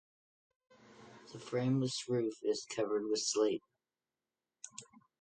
The frameless roof is covered with slate.